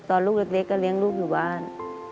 ลูกเล็กก็เลี้ยงลูกอยู่บ้าน